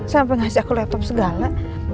sampai ngasih aku laptop segala